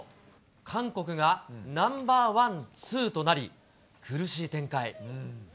韓国がナンバー１、２となり、苦しい展開。